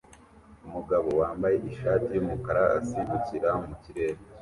Umugabo wambaye ishati yumukara asimbukira mu kirere